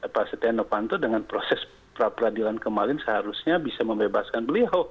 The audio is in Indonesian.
pak stiano fanto dengan proses peradilan kemarin seharusnya bisa membebaskan beliau